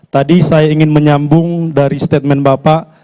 tadi saya ingin menyambung dari statement bapak